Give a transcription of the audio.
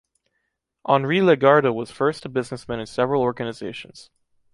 Henri Legarda was first a businessman in several organizations.